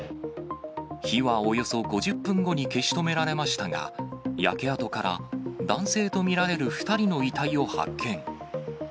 火はおよそ５０分後に消し止められましたが、焼け跡から男性と見られる２人の遺体を発見。